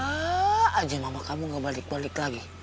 jangan aja mama kamu enggak balik balik lagi